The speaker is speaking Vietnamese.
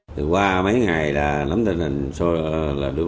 từ qua mấy ngày là lắm thời gian sau là được